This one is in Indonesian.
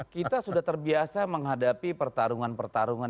kita sudah terbiasa menghadapi pertarungan pertarungan